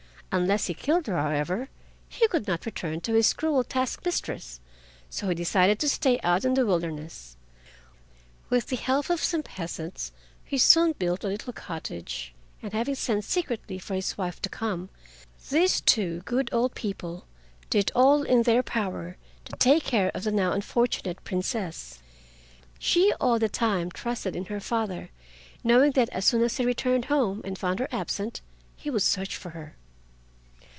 Unless he killed her, however, he could not return to his cruel task mistress, so he decided to stay out in the wilderness. With the help of some peasants he soon built a little cottage, and having sent secretly for his wife to come, these two good old people did all in their power to take care of the now unfortunate Princess. She all the time trusted in her father, knowing that as soon as he returned home and found her absent, he would search for her.